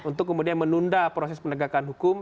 untuk kemudian menunda proses penegakan hukum